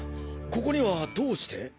ここにはどうして？